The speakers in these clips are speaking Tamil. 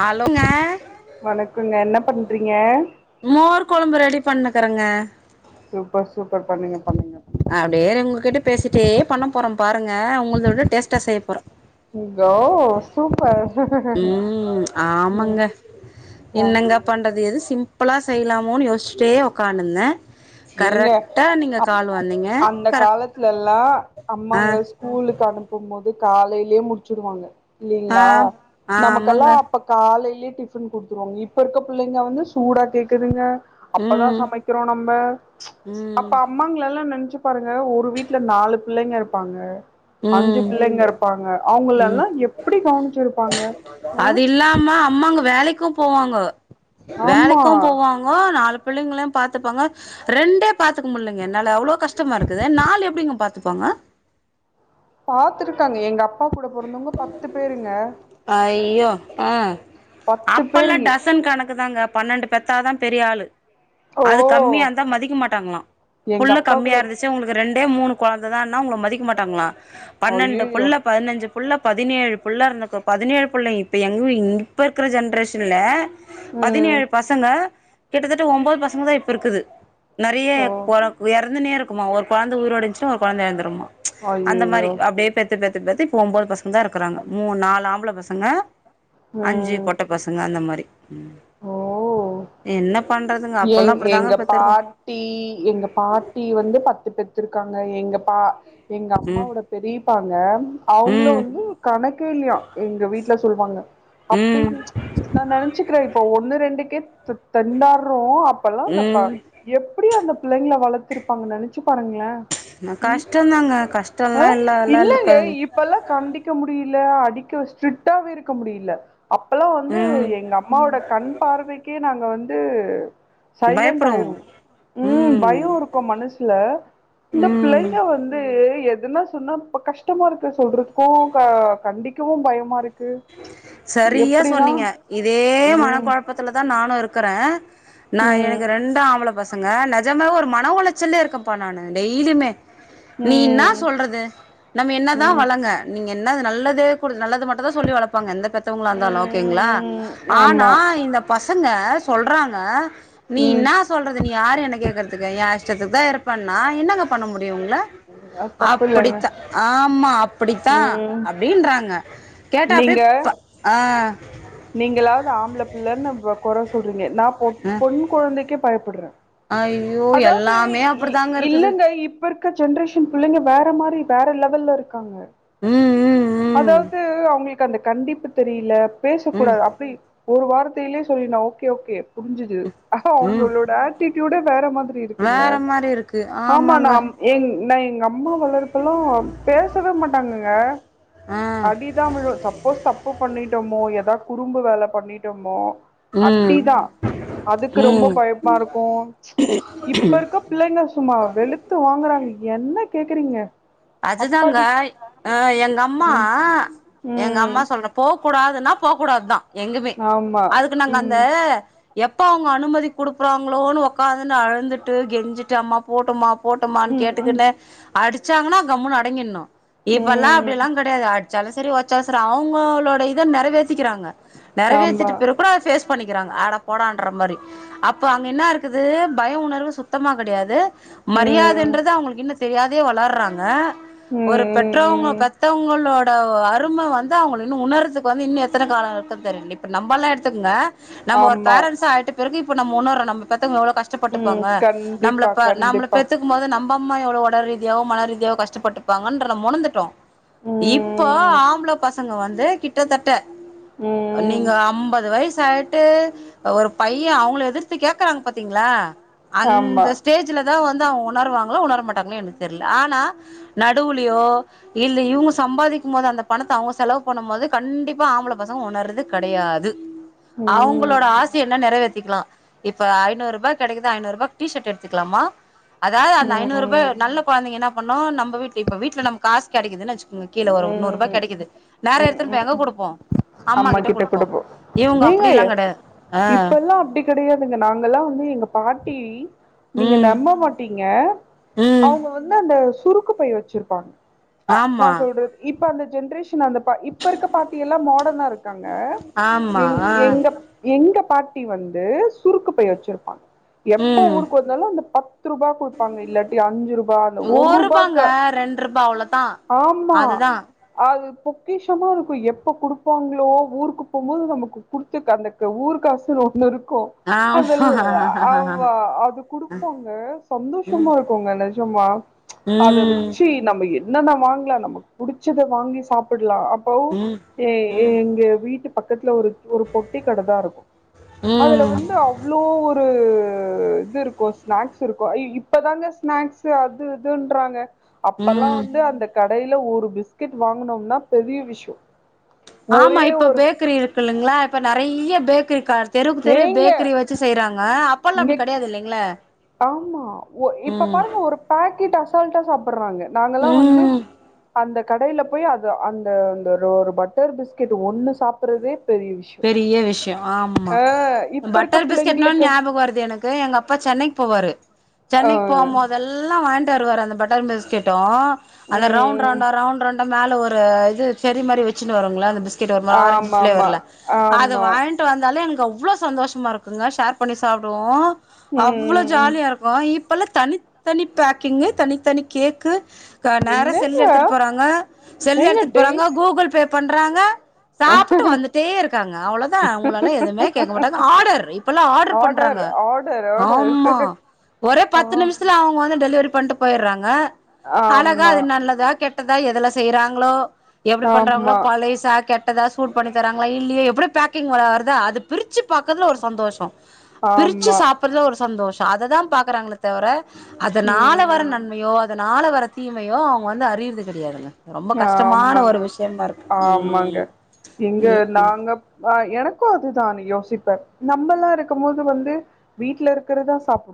ஹலோங்க வணக்கங்க என்ன பண் ரீங்க மோர் கொழம்பு ரெடி பண்ணுக்கறங்க சூப்பர் சூப்பர் பண்ணுங்க பண்ணுங்க நா அப்படியே உங்ககிட்ட பேசிட்டே பண்ணப் போரோ பாருங்க உங்களுதவிட டேஸ்ட்டா செய்ய போறோம் கோ சூப்பர் ம் ம் ஆமாங்க ஆ என்னங்க பண்றது எது சிம்பிளா செய்யலாமோனு யோச் ப்படியே ஒக்காணுந்தே நீங்க கரெக்டா நீங்க அப் கால் வாங் அந்த காலத்துலல்லா ஆ அம்மாங்க ஸ்கூலுக்கு அனுப்ப போது காலையிலயே முடிச்சுடுவாங்க ஆ இல்லலைங்களா ஆமாங்க நமக்கெல்லாம் அப்ப காலை டிபன் கொடுத்துருவாங்க இப்ப இருக்க புள்ளைங்க வந்து சூடா கேக்குதுங்க அப்பதான் ம் சமைக்கிறோம் நம்ம அப்ப ம் அம்மாங்கள எல்லா நினைச்சு பாருங்க ஒரு வீட்டுல நாலு பிள்ளைங்க இருப்பாங்க அஞ்சு ம் பிள்ளைங்க இருப்பாங்க அவங்கலலாம் எப்டி கவனிச்சிருப்பாங்க ஆ அது இல்லாம அம்மாங்க வேலைக்கும் போவாங்க ஆமா வேலைக்கு போவாங்கோ நாலு பிள்ளைங்கலையு பாத்தப்பாங்க ரெண்டே பாத்துக்க முடிலங்க என்னால அவ்ளோ கஷ்டமா இருக்குது நாலு எப்டிங்க பாத்துப்பாங்க பாத்துருக்காங்க எங்க அப் அ ஐயோ உம் பத்து பேரு அப்பல்லாம் டசன் கணக்குதாங்க பன்னெண்டு பெத்தாதா பெரிய ஆளு அது கம்மியா ஓ இருந்தா மதிக்க மாட்டாங்களாம் எங்க புள்ள அப்பா கூட கம்மியா இருந்துச்சு உங்களுக்கு ரெண்டு [unintelligible] மூணு குந்தைதான்னா உங்கள மதிக்க மாட்டாங்களா பன்னெண்டு அய்யய்யோ புள்ள பதினஞ்சு புள்ள பதினேழு பிள்ளா இருந்தக்கும் பதினேழு பிள்ளை இப்போ எங்க இப்போ இருக்க ஜென்ரேஷன்ல ம் பதினேழு பசங்க கிட்டதட்ட ஒம்போது பசங்க தான் இப்ப இருக்குது நிறைய ஓ இறந்துனே இருக்குமா ஒரு குழந்தை உயிரோடு இருந்துச்சுனா ஒரு குழந்த இறந்துடுமா அந்த மாதிரி அய்யய்யோ அப்படியே பெத்து பெத்து [unintelligible] ஒம்போது பசங்க தான் இருக்குறாங்க மூண் நாலு ஆம்பள பசங்க அஞ்சி ம் பொட்ட பசங்க அந்த மாரி உம் என்ன பண்றதுங்க அப்பல்லா எங் அப்டிதாங்க எங்க பெத்துருக்க பாட்டி எங்க பாட்டி வந்து பத்து பெத்துருக்கு இருக்காங்க எங்கப்பா எங்க ம் அம்மாவோட பெரிப் பாங்க அவங்களும் ம் வந்து கணக்க இல்லையா எங்க வீட்டு சொல்லுவாங்க ம் அப்டின் நான் நினைச்சக்கிற இப்போ ஒன் ஒன்றுு ரண்டுக்கு தென்னார் ஓ அப்பல்லாம் அ ம் எப்டி அந்த பிள்ளைங்க ல வளர்த்துருபாங்க நெனச்சு பாருங்களேன் கஷ்டம்தாங்க கஷ்டம் இல்லாதெல்லா இல்லங்க இருக்காதுங்க இப்பல்லா கண்டிக்க முடியல அடிக்க ஸ்ட்ரிக்டாவே இருக்க முடியல அப்பெல்லாம் வந்து ம் எங்க அம்மாவோட கண் பார்வைக்கே நாங்க வந்து அந்து சைலென்ட் பயப்படுவோ ஆய்ரும் உம் ம் பயோ இருக்கோ மனசுல இந்த ம் பிள்ளைங்க வந்து எ இதெல்லா சொன்னா இப்ப கஷ்டமா இருக்கு சொல்றதுக்கோ கண்டிக்கவு பயமா இருக்கு சரியா எப்டின்னா? சொன்னீங்க இதே மன ம். குழப்பத்துல தான் நானும் இருக்கறேன் நான் ம். எனக்கு ரெண்ட ஆம்பளை பச நாங்க நஜம ஒரு மன உளைச்சல்லே இருக்கப்பா நான்னு டெய்லியுமே நீ இனா ம். சொல்றது நம்ம என்னதா ம். வளங்க நீங்க என்ன நல்லதே கொடு நல்லது மட்டுதா சொல்ல வள்ப்பங்க எந்த பத்தவங்களா இருந்தாலும் ஓகேங்களா ம். ஆனா ஆமா. இந்த பசங்க சொல்றாங்க நீ ம். என்ன சொல்றது நீ யரு என்ன கே்கறதுக்குாஷ்டத்துக்கு தான் இருப்பா என்னங்க பண்ண முடியும் உங்கள அது தப்பு இல்லங்க. அப்படித்தான் ஆமா அப்படித்தான் ம். அப்படின்றாங்க நீங்க [unintelligible] ஆ நீங்களாவது ஆம்பள புள்ளன்னு குறை சொல்றீங்க நா பொ பொண் கொழந்தைக்கு பயப்ப போடுறேன் அய்யோ எல்லாமே அப்டிதாங்க இருக்குது இல்லங்க இப்ப இருக்க ஜென்ரேஷன் பிள்ளைங்க வேற மாரி வேற லெவல்ல இருக்காங்க ஊ அதாவது அவங்க ந்த கண்டிப்பு தெரியில ம் பேசக்கூடாது அப்டி ஒரு வார்தைலே சொல்லிலா ஓகே - ஓகே புரிஞ்சுது ம் அவங்களோட ஆட்டூட வேற [unintelligible] இருக்குங்க வேற மாதிரி இருக்கு ஆமா ஆமாங்க நான் நான் எங்க அம்மா வளறப்பெல்லாம் பேசவே மாட்டாங்கங்க ஆ அடிதான் விழ சப்போஸ் தப்பு பண்ணிட்டோமோ ஏதா குறும்பு வேலை பண்ணிட்டோமோ ம் அடிதான் அதுக்கு ரொம்ப ம் பயமா இருக்கும் இப்ப இருக்க பிள்ளைங்க சும்மா வெளுத்து வாங்குறாங்க என்ன கேக்குறீங்க அதுதாங்க அப்பாடி ஆ எங்க அம்மா ம் அம்மா எங்க ம் அம்மா சொல்றே போக கூடாதுன்னா போகூடாது தா எங்கமே ஆமா அதுக்கு நாங்க அந்த ம் எப்ப அவங்க அனுமதி கொடுக்குறாங்களோ உடக்காந்துன்னு அழுந்துட்டு கெஞ்சிட்டு அம்மா போட்டுமா போட்டோமான் ம் கேட்டுக்கு ம் அடுச்சாங்கனா கம்முனு அடங்கிடனும் இப்பெல்லாம் ம் அப்படியெல்லாம் கிடையாது வச்சாலும் சரி வச்சா சரி அவங்களோட இத நிறைவே கிறாங்க ஆமா நிறைவேத்திட்டு பிற கூட பேஸ்ப பண்ணிக்கிறாங்க ஆட போடன்ற மாதிரி அப்ப அங்க என்ன இருக்குது பய உணர்வு சுத்தமா கிடையாது ம் மரியாதன்றது அவங்களுக்கு இன் தெரியாதே வளர்றாங்க [unintelligible] ஒரு ம் ம் பெற்றவங்க ம் பெத்தவங்களோட ப்ப அருமை வந்து அவங்க இன்னும் உணர்துக்கு வந்து இன்னும் எத்தனை காலம் இருக்கு தெரியும் இப்போ நம்மல்லாம் எடுத்துக்கங்க நம்ம ஒரு ஆமா பேரண்ட்சாயிட்டு பிறகு இப்ப நம்ம ஒன்னோ நம் பெத்தவங்க எவ்ளோ ம் கஷ்டப்பட்டுப்பாங்க கண்டிப்பா நம்மல-நம்மல கண்டிப்பா பெத்துக்கு போது நம் நம்மளோட உடற் ரீதியாவும் மன ரீதி கஷ்டப்பட்டுப்பாங்கன்றத நாம் உணர்ந்துட்டோம் இப்போ ம் ஆம்பள பசங்க வந் தோ கிட்டத்தட்ட ம் நீங்க ஐம்பது வயச ஆய் ட்டு ஒரு பையன் அவங்கள எதிர்த்து கேக்குறாங்க பாத்தீங்களா ஆமா அந்த ஸ்டேஜ்ல தா வந்து அவங்க உணர்வாங்களோ உணரமாட்டாங்களனு எனக்கு தெரியல ஆனா நடுவுலையோ இல்ல இவங்க சம்பாதிக்கும் போது அந்த பணத்தை அவங்க செலவு பண்ணும் போது கண்டிப்பா ஆம்பள பசங்க உணர்றது கிடையாது ம் அவங்களோட ஆசை என்ன நிறைவேற்றிக்கலாம் இப்ப ஐநூறு ரூபாய் கிடைக்குது ஐநூறு ரூபா டீஷர்ட் எடுத்துக்கலாமா அதாவது ம் அந்த ஐநூறு ரூாய் ம் நல்ல குழந்தங்கன்னா ப நம்ம வீட்டுல இப்ப வீட்டுல நம காசு கிடைக்குதுன்னச்சு கீழ ஒரு நூறு ரூபாய் ம் கிடைக்குது நேரம் எடுத்துன்னுப்ப எங்க ம் கொடுப்போம் அம்மா கிட்ட குடுப்போம் ஏங்க கிடையாது ஆ இப்பல்லாம் அப்படி கிடையாதுங்க நாங்கல்லாம் வந்து எங்க பா டீவி நீங்க ம் நம்ப மாட்டீங்க ம் அவங்க வந்து அந்த சுருக்கு பைய் வச்சிருப்பாங்க அஹ் ஆமா நான் சொல்றது இப் இப்ப அந்த ஜென்ரேஷன் அந்த இப்ப இருக்க பாட்டி எல்லா த இருக்காங்க எ ஆமா ஆ எங்க எங்க பாட்டி வந்து சுருக்கு பை வச்சிருப்பாங்க எப்ப ம் ஊருக்கு வந்தாலும் அந்த பத்து ரூபாய கொடுப்பாங்க இல்லாட்டி அஞ்சு ரூபாய் அந்த ஒரு ரூபாய்க்க ரூபாங்க ரெண்டு ரூபா அவ்ளோதா ஆமா அதுதா அது பொக்கிஷமா இருக்கோ எப்ப கொடு இப்போ அவுங்கலோ ஊருக்கு போம்போது நமக்கு புடிச்ச கண்டக்ட்ரு ஊரு காசு ஒண்ணுருக் அத ஆமா அது கொடுப்போங்க ம் சந்தோஷமா இருக்கோங்க நிஜமா அத ம் வச்சு நம்ம என்னன்ன வாங்கலாம் நமக்கு புடிச்சத வாங்கி சாப்பிடலாம் ம் [unintelligible] ஏ ம் எங்க வீட்டுக்கு பக்கத்துல ஒரு ஒரு பொட்டி கடைதான் இருக்கும் அதுல ம் வந்து அவ்ளோ ஒரு இது இருக்கும் ஸ்நாக்ஸ் இருக்கும் இப்பதாங்க ஸ்நாக்ஸ் அது இதுன்றாங்க அப்பல்லா ம் வந்து அந்த கடை ஒரு பிஸ்கட் வாங்கனோம்னா பெரிய விஷயம் ஆமா இப்ப பேக்கரி இருக்குல்லங்களா இப்ப நிறைய பேக் கு கார் தெருக்கு தெரு ஏங்க பேக்கரி வச்சு செய்யறாங்க இப்பெல்லா இங்க அப்டி கி- கெடையாது இல்லைங்க ஆமா ஒரு இப்ப பாருங்க ஒரு பாக்கெட் [unintelligible] படுறாங்க நாங்களாம் வந்து ம் அந்த கடையில போய் அது அந்த அந்த ஒரு பட்டர் பிஸ்கெட் ஒன்று சாப்பிட்றதே பெரிய விஷயம் ஆமா இப்ப இருக்க பட்டர் பிஸ்கெட்ன பிள்ளைங்களுக்கு ஞாபகம் வருது எனக்கு எங்க அப்பா சென்னைக்கு போவாரு ஆ சென்னைக்கு போம்போது எல்லாம் வாங்கி [unintelligible] வர அந்த பட்டர் பிஸ்கெட்டோ அந்த ரவுண்ட் ம் ரவுண்டா ரவுண்ட் ரவுண்டா மேல ஒரு அ இது சரி மாரி வச்சினுட வரிங்களா அந்த பிஸ் ஆமா ஆமா அத ஆமா வாங்கிட்டு வந்த அதால எங்க அவ்வளோ சந்தோஷமா இருக்குங்க ஷர் பண்ணி சாப்பிடுவோம் ம் அவ்வள ம் ம் ஜாலியா இருக்கும் இப் இப்போல்லா தனித்தனி பேக்கிங் தனி தனி கேக்கு இப் கா நேர என்னங்க செல்லு எடுத்துட்டு போறாங்க செல் ஏங்க எடுத்துட்டு டெய் போறாங்க கூகுள் பே பண்றாங்க சாப்பிட்டு வந்துட்டு இருக்காங்க அவ்ளதா உங்களலா எதுவுமே கேக்க மாட்டாங்க ஆடர் இப்பல்லா ஆர்டர் பண்றாங்க ஆர்டர் ஆர்டர் ஆமா ஒரே ஆ பத்து நிமிஷத்தில அவங்க வந்து டெலிவரி பண்ட் போயறாங்க அலகா ஆமா அது நல்லதா கெட் டதா எதுல செய்றாங்ளோ எப்டி பண்றாங்ளோ ஆமா பழைய சா கெட் எதாது சூட் பண்ணி தராங்ளா இல்லியே எப்டி பேக்கிங் வ வருத அது பிரிச்சி பாக்கறதுல ஒரு சந்தோஷோ பிரிச்சி ஆமா சாப்பறதுல ஒரு சந்தோஷோ அத தா பாக்குறாங்களே தவர அதனால வர ம் நன்மையோ அத நாள வர தீமையோ அவங்க வந்து அறியறது கிடையாதுங்க ரொம்ப கஷ்டமான ஆமாங்க ஒரு விஷயமா இருக்கு ங்க ம் ம் நாங்க [unintelligible] எனக்கும் அதுதான் யோசிப்பேன் நம்மலா இருக்கமோது வந்து வீட்ல இருக்கறதா சாப்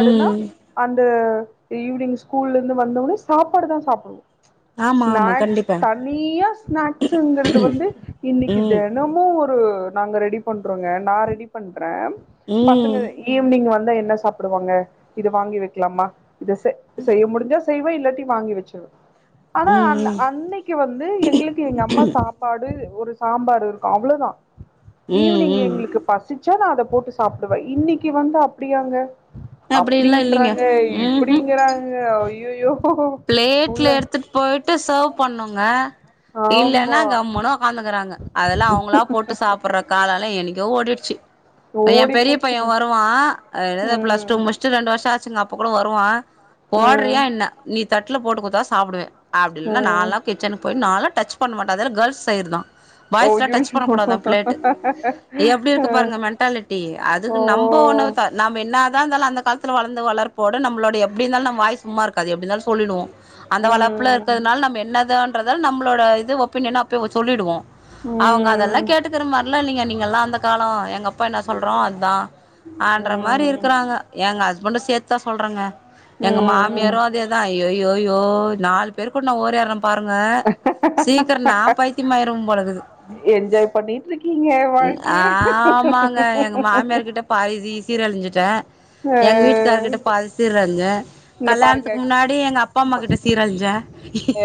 ம் ம் அந்த ஈவினிங் ஸ்கூல்லந்து வந்தவுனே சாப்பாடு தா சாப்டுவோ ஆமா ஆமா ஸ்நாக்ஸ் கண்டிப்பா தனியா ஸ்நாக்ஸ்ங்கறது வந்து இன்னிக்கி ம் தெனமு ஒர் நாங்க ரெடி பண்றோங்க நா ரெடி பண் ரென் பசங்க ம் ஈவினிங் வந் என்ன சாப்டுவாங்க இது வாங்கி வைக்கலாம இத செ செய்ய முடிஞ்சா ஸ் செய்வே இல்லாட்டி வாங்கி வச்சிருவே ஆனா அன் ம் ம் அன்னிக்கு வந்து எங்களுக்கு எங்க அம்மா சாப்பாடு ஒரு சாம்பார் இருக்கும் அவ்ளோதா ம் ஈவினிங் ம் எங்களுக்கு பசிச்சா நா அத போட்டு சாப்டுவன் இன்னிக்கி வந்து அப்டியாங்க அப்படில்லா இல்லைங்க அப்டின்றாங்க இப்டிங்கறாங்க அய்யய்யோ ப்ளேட்ல எடுத்துட் போய்ட்டு சர்வ் பண்ணுங்க இல்லன்னா ஆமா கம்முன்னு உக்காந்துக்றாங்க அதெல்லா அவுங்களா போட்டு சாப்ற காலோலா எண்ணிக் தோ ஓடிடுச்சி என் ஓடி பெரிய பைய போச்சுங்க வருவா [unintelligible] ப்ளஸ் டூ ம் முடிஷ்ட்டு ரெண்டு வருஷோ ஆச்சுங்க அப்போ [unintelligible] வருவான் போடுறியா ம் என்ன தட்ல போட்டு குடுத்தா சாப்பிடுவன் அப்டின்னா ம் நான்லா கிச்சனுக்கு போய் நால் டச் பண்ண மாட்டன் அதெல்லா கேர்ள்ஸ் சைடு தா பாய்ஸ்லாம் டச் ஐயயோ பண்ண கூடாதாம் பிளேட் எப்டி இருக்கு பாருங்க மென்டாலிட்டி ஓ அதுக்கு நம்பே ஒன்னு நம்ம என்னா தா அந்த காலத்துல வளர்ந்த வளர்ப்போட நமளோட எப்டி இருந்தாலும் நம் வாய் சும்மா இருக்காது எப்டி இருந்தாலும் சொல்லிடுவோ அந்த வளர்ப்புல ம் இருக்கிறதனால நம்ப என்னதான் தல் நம்மளோட இது ஒப்பினியன்ன அப்போவே சொல்லிடுவோ அவுங்க அதெல்லா ம் கேட்டுக்கிற மாரில்லா இல்லிங்க நீங் எல்லா அந்த காலம் எங்க அப்பா என்ன சொல்றோ அதான் ஆண்ற மாரி ம் ம் இருக்குறாங்க என் ஹஸ்பண்டும் சேத் தா சொல்றேங்க எங்க ம் மாமியாரும் அதே அய்யோ அய்யோ நாலு பேர் கூட நா ஒடியற பாருங்க சீக்கிரம் நா பைத்தியம் ஆயிடும் போல இருக்குது என்ஜாய் பண்ணிட்டு இருக்கி ஆ ஆமாங்க எங்க மாமியார் கிட்ட பாதி சீ சீரழிஞ்சுட்டேன் அ எங்க வீட்டுக்காரர் கிட்ட பாதி சீரழிஞ்சன் இங்க பாருங்க கல்யாணத்துக்கு முன்னாடி எங்க அப்பா அம்மா கிட்ட சீரழிஞ்சன் அ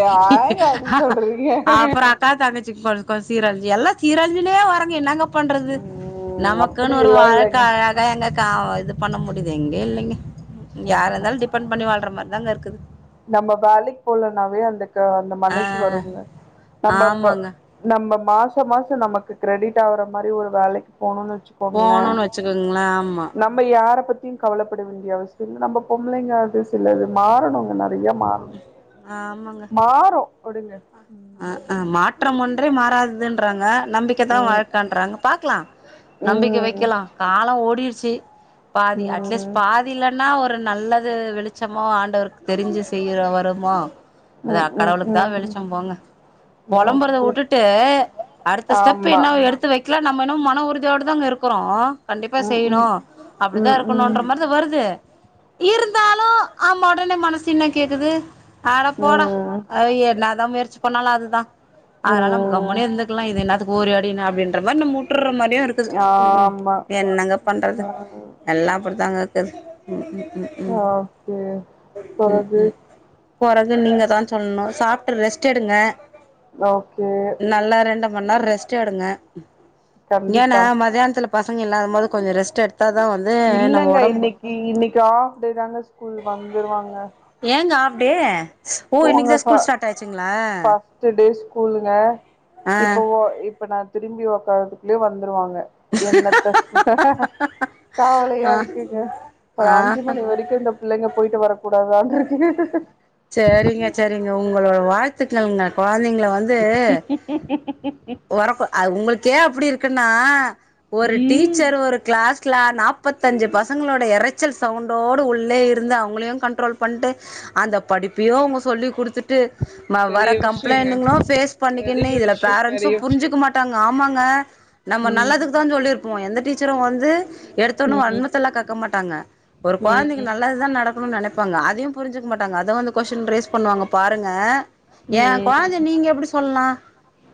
ஏங்க அப்டி அ சொல்றீங்க அப்றோ அக்கா தாங்கச்சி [unintelligible] சீரழிஞ் எல்லா சீர்ழிஞ்சின்டே வாரா என்னங்க பண்றது ம் நமக்குன்னு ஒரு அப்டில்லா வாழ்க்கை இல்லைங்க அழகா எங்க க இது பண்ண முடியி எங்க இல்லங்க யாரா இருந்தாலும் டிபன் பண்ணி வாழ்ற மாரி நல்லா இருக்குது நம்ம வேலைகு போலனாவே அந்த அந்த ஆ மனசு வருவுங்க நம்ம ப ஆமாங்க நம்ம மாச மாச நமக்கு கிரெடிட் ஆவுற மாரி ஒரு வேலை போனும்னு வச்சுக்கோங்கள போணுன்னு வச்சுக்கோங்களே ஆமா நம்ம யார பத் தி கவலைப்பட வேண்டிய அவசியம் இல்ல நம்ம பொம்பளைங்க அது சிலரு மாறணும்ங்க [unintelligible] ம மாறும் ஒடுங்க ஆஆ மாற்றம் ஒன்றே மாறதுதுன்றாங்க நம்பிக்கை தா ம் வாழ்கன்றாங்க பாக்கலாம் நம்பிக்கை ம் வைக்கலாம் காலம் ஓடிடுச்சு பாதி அட்லீஸ்ட் ம் பாதி இல்லன்னா ஒரு நல்ல து வெளிச்சமோ ஆண்டவருக்கு தெரிஞ்சு செய்ய வருமோ அது அ ம் கடவுளுக்கு தா ம் ம் வெளிச்சம் போங்க புலம்புறத ஓகே வுட்டுட்டு அடுத்த ஸ்டெப் ஆமா என்னவோ எடுத்து வை க்கலாம் நம்ம இன்னோ மன உறுதியோடு தாங்க இருக்கிறோ கண்டிப்பா ம் ம் செய்யணும் அப்டி தா ம் இருக்கணும்ன்ற ம் மாதிரி வருது இருந்தாலு ஆமா உடனே மனசு என்ன கேக்குது அட போடா ம் அ என்ன தா முயற் எப்பனாலு அதுதா அதனால கம்முனு ம் இருந்துக்கலா இது என்னாத்துக்கு ஓடி ஆடின்னு அப்டினு நம் விட்டுற மாரி அப்டியே இருக்குது ம் ஆமா என்னங்க பண்றது ஆ எல்லா அப்டிதாங்க இருக்கு கு ம் ஓகே ம் ம் பிறகு ம் போறவு நீங்க தா சொல்லணும் சாப் ரெஸ் விட்டுடுங்க ஓகே கொஞ்நேரம் ரெஸ்ட்டு எடுங்க ஏனா கண்டிப்பா மதியானத்துல பசங்க இல்லாத போது கொஞ்ச ரெஸ்டு எடு இல்லங்க இன்னிக்கு இன்னிக்கு ஆஃப்டே தாங்க ஸ்கூல் வந்துருவாங்க அ அப்டி ஒ இன்னைக்கு தா ஸ்கூல் ஸ்டார்ட் ஆயிச்சுங்களா ஃபஸ்ட் டே ஸ்கூலுங்க ஆ இப்ப இப்ப நா திரும்பி உக்காரத்துகுள்ளே வந்து வருவாங்க என்னத்த கவலை கரைட்டுங்க ஒரு ஆ அஞ்சு மணி வரைக்கு இந்த புள்ளைங்க போய் வீட்டு வரக்கூடாத அ இருக் ஈஈஈ சரிங்க சரிங்க உங்களோட வாழ்த்துக்களுங்க ஒரக்கோ அது உங்கள் எ அப்டி இருக்குனா ஒரு ம் டீச்சர் ஒரு கிளாஸ் லா நப்பது அஞ்சு பசங்களோட இரைச்சல் சவுண்டோடு உள்ளே இருந்து அவுங்களையும் கண்ட்ரோல் பண்ணிட்டு அந்த படிப்பையும் அவுங்க சொல்லி் குடுத் து வர பெரிய விஷயங்க கம்ப்ளைன்டுகளையும் ஃபேஸ் பண்ணிக்கினு பெரிய இதுல விஷய பெரிய பேரன்ஸும் விஷய புரிஞ்சுக்க மாட்டாங்க ஆமாங்க நம்ம நல்லதுக்கு ம் தா சொல்லிருப்போ எந்த டீச் சரோ வந்து எடுத்தோன ம் வன்மத்தலாம் கக்க மாட்டாங்க ஒரு கொழந்தைங்க ம் நல்லது தா நடக்கணு நெனைப் இப்ப அங்க அதயும் புரிஞ்சிக்க மாட்டாங்க அதுவும் வந்து கொஸ்டின் ரைஸ் பண்ணுவாங்க பாருங்க ஏன் கொழந்தைய ம் நீங்க எப்டி சொல்லாம்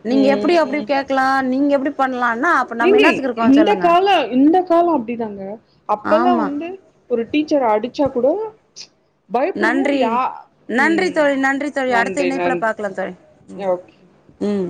நீங்க எப் எப்டி கேக்கலா நீங்க எப்டி பண்லா ஆன்ன எங்கே இந்த காலம் இந்த காலம் அப்டிதாங்க அப்பயெல்லா ஆமா வந்து ஒரு டீச்சர் அடிச்சா கூட பயப்படுவோ நன்றி யா நன்றி ம் தோழி நன்றி தோழி அடுத்த நன்றி இனைப்புல நன்றி பாக்கலா தோழி ஓகே ம்